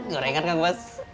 gerekan kang bos